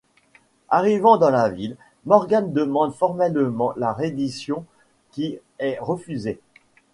Arrivant dans la ville, Morgan demande formellement la reddition, qui est refusée.